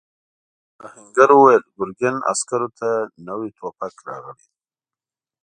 آهنګر وویل ګرګین عسکرو ته نوي ټوپک راغلی دی.